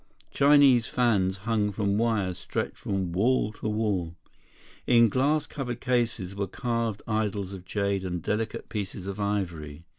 Chinese fans hung from wires stretched from wall to wall. In glass covered cases were carved idols of jade and delicate pieces of ivory.